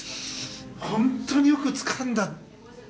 本当によくつかんだ。